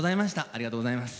ありがとうございます。